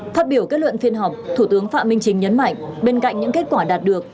phát biểu kết luận phiên họp thủ tướng phạm minh chính nhấn mạnh bên cạnh những kết quả đạt được